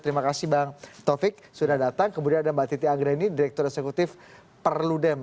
terima kasih bang taufik sudah datang kemudian ada mbak titi anggreni direktur eksekutif perludem